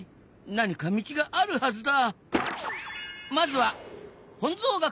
何か道があるはずだ。